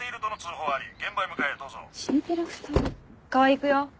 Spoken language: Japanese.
川合行くよ。